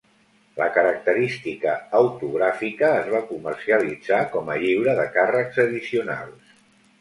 La característica autogràfica es va comercialitzar com a lliure de càrrecs addicionals.